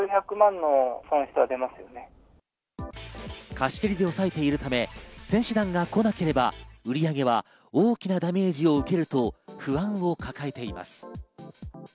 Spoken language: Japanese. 貸し切りで抑えているため選手団が来なければ、売上は大きなダメージを受けると不安を抱えています。